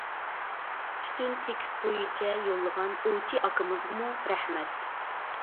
پۈتۈن تېكىست بويىچە يوللىغان ئوۋچى ئاكىمىزغىمۇ رەھمەت.